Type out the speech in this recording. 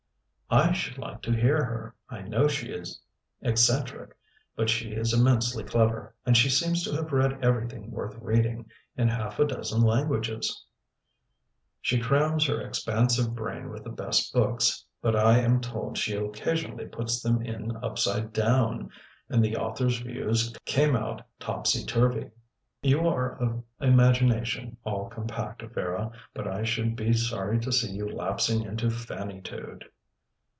"I should like to hear her. I know she is eccentric; but she is immensely clever, and she seems to have read everything worth reading, in half a dozen languages." "She crams her expansive brain with the best books; but I am told she occasionally puts them in upside down, and the author's views came out topsy turvy. You are of imagination all compact, Vera; but I should be sorry to see you lapsing into Fannytude."